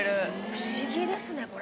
不思議ですねこれ。